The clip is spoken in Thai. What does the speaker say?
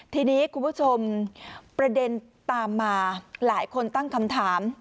ทีนี้คุณผู้ชมประเด็นตามมาหลายคนตั้งคำถาม